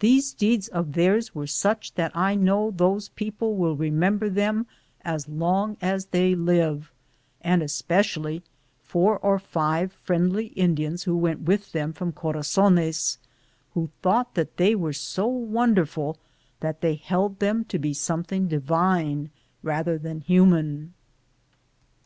These deeds of theirs were such that I know those people will remember them as long as they live, and especially four or five friendly Indians who went with them from Corazones, who thought that they were so wonderful that they held them to be some thing divine rather than human.